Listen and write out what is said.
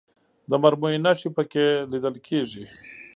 د مرمیو نښې په کې لیدل کېږي.